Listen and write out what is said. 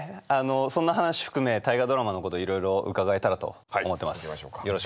そんな話含め「大河ドラマ」のこといろいろ伺えたらと思ってます。